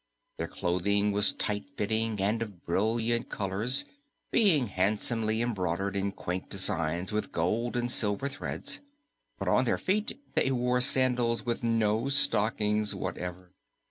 Their clothing was tight fitting and of brilliant colors, being handsomely embroidered in quaint designs with gold or silver threads; but on their feet they wore sandals with no stockings whatever.